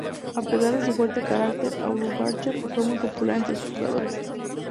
A pesar de su fuerte carácter, Auerbach fue muy popular entre sus jugadores.